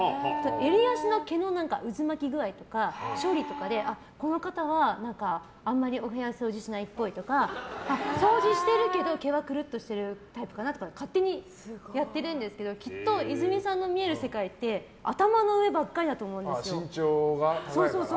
襟足の毛の渦巻き具合とか処理とかでこの方は、あんまりお部屋の掃除をしないっぽいとか掃除してるけど毛はくるっとしてるタイプかなとか勝手にやってるんですけどきっと、泉さんが見える世界って頭の上ばかりだと思うんですよ。